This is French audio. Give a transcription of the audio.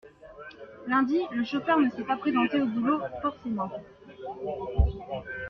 lundi, le chauffeur ne s’est pas présenté au boulot, forcément.